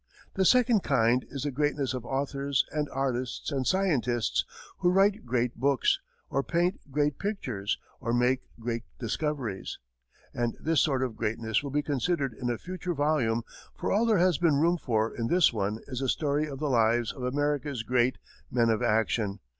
The second kind is the greatness of authors and artists and scientists, who write great books, or paint great pictures or make great discoveries, and this sort of greatness will be considered in a future volume; for all there has been room for in this one is the story of the lives of America's great "men of action."